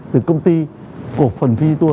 từ công ty cổ phần fiditur